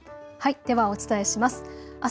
ではお伝えします。